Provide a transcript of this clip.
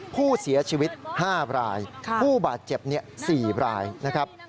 ผู้เสียชีวิต๕รายผู้บาดเจ็บ๔รายนะครับ